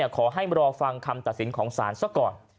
ขอให้รอฟังคำตัดสินของศาลซะก่อน